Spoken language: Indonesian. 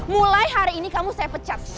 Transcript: mulai hari ini kamu saya pecat